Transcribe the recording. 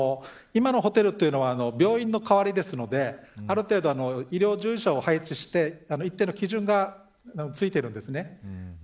今のホテルというのは病院の代わりなのである程度、医療従事者を配置して一定の基準がついているんです。